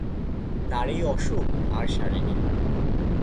তাঁর এই অসুখ আর সারে নি।